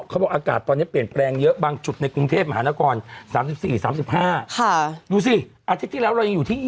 เอาอากาศตอนนี้เปลี่ยนแปลงเยอะบ้างฉุดในกรุงเทพฯมหานครสามสิบสี่